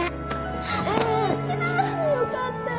よかったよ！